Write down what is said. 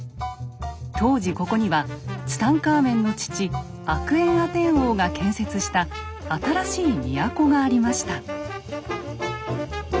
当時ここにはツタンカーメンの父アクエンアテン王が建設した新しい都がありました。